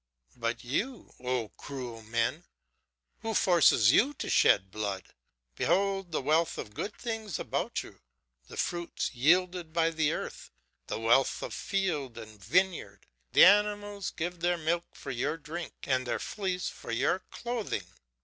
But you, oh, cruel men! who forces you to shed blood? Behold the wealth of good things about you, the fruits yielded by the earth, the wealth of field and vineyard; the animals give their milk for your drink and their fleece for your clothing.